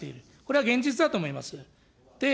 これは現実だと思います。